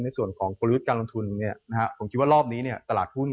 ในส่วนของกลยุทธ์การลงทุนผมคิดว่ารอบนี้ตลาดหุ้น